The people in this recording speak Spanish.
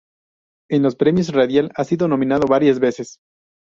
En los premios radial ha sido nominado varias veces.